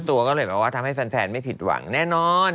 ตัวก็เลยแบบว่าทำให้แฟนไม่ผิดหวังแน่นอน